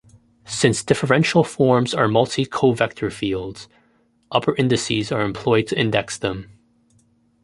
Since differential forms are multicovector fields, upper indices are employed to index them.